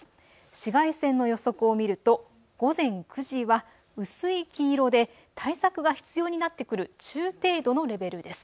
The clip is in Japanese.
紫外線の予測を見ると午前９時は薄い黄色で対策が必要になってくる中程度のレベルです。